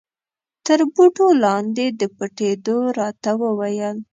تر بوټو لاندې د پټېدو را ته و ویل.